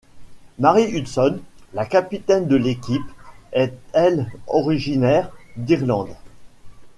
Mary Hutson, la capitaine de l'équipe, est elle originaire d'Irlande.